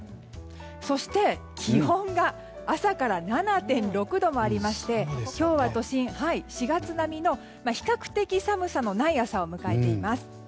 そして、気温が朝から７．６度もありまして今日は都心、４月並みの比較的寒さのない朝を迎えています。